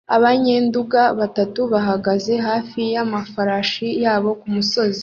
abanyenduga batatu bahagaze hafi y'amafarasi yabo kumusozi